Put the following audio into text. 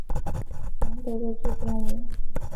兰德的座标为。